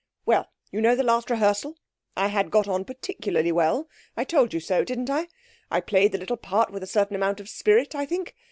'Well, you know the last rehearsal? I had got on particularly well. I told you so, didn't I? I played the little part with a certain amount of spirit, I think.